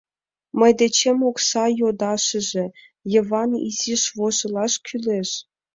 Мый дечем окса йодашыже, Йыван, изиш вожылаш кӱлеш.